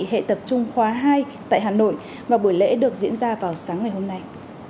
hệ tập trung khóa hai tại hà nội và buổi lễ được diễn ra vào sáng ngày hôm nay